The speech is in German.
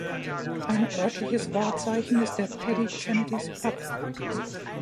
Ein örtliches Wahrzeichen ist der "Paddy Kennedy’s Pub".